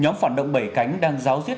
nhóm phản động bảy cánh đang giáo riết